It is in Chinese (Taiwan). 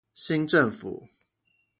新政府